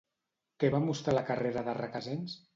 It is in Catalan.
Què va mostrar la carrera de Recasens?